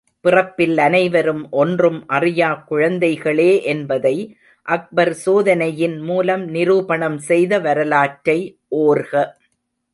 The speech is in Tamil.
பிறப்பில் அனைவரும் ஒன்றும் அறியா குழந்தைகளே என்பதை அக்பர் சோதனையின் மூலம் நிரூபணம் செய்த வரலாற்றை ஒர்க.